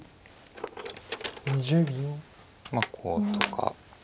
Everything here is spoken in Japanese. まあこうとか。